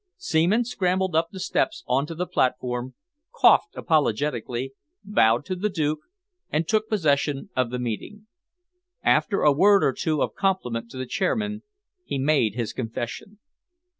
Seaman scrambled up the steps on to the platform, coughed apologetically, bowed to the Duke, and took possession of the meeting. After a word or two of compliment to the chairman, he made his confession.